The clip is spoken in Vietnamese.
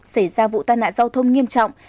xảy ra vụ tai nạn giao thông nghiêm trọng